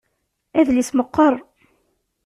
Adlis meqqer.